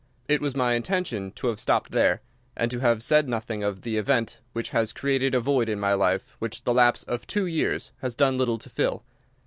It was my intention to have stopped there, and to have said nothing of that event which has created a void in my life which the lapse of two years has done little to fill.